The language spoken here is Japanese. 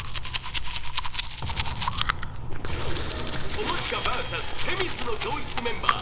［友近ＶＳ『女神の教室』メンバー］